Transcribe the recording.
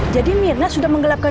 jadi mirna sudah menggelapkan